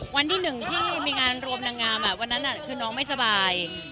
วันที่๑ที่มีงานรวมนางงามวันนั้นคือน้องไม่สบาย